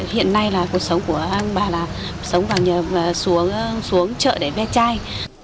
hiện nay là cuộc sống của anh bà là sống vào nhà xuống chợ để ve chai